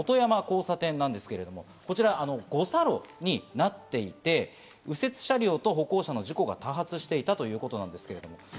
本山交差点なんですけれども、こちら五差路になっていて、右折車両と歩行者の事故が多発していたということなんですね。